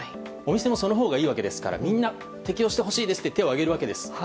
お店もそのほうがいいわけですからみんな適用してほしいと手を挙げるわけです。